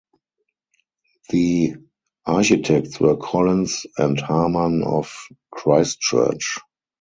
The architects were Collins and Harman of Christchurch.